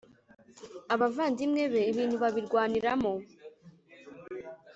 abavandimwe be ibintu babirwaniramo.